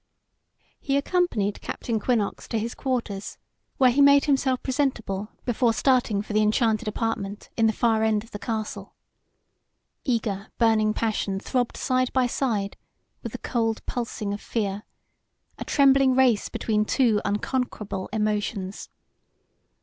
He accompanied Captain Quinnox to his quarters, where he made himself presentable before starting for the enchanted apartment in the far end of the castle. Eager, burning passion throbbed side by side with the cold pulsing of fear, a trembling race between two unconquerable emotions.